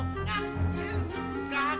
gak bisa main perempuan